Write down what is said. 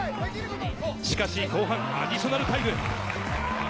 しかし後半アディショナルタイム。